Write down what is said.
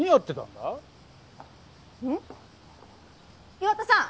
岩田さん！